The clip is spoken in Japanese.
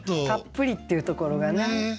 たっぷりっていうところがね。